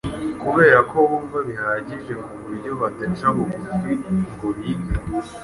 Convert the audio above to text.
kubera ko bumva bihagije ku buryo badaca bugufi ngo bige.